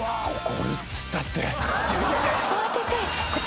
怒るつったって。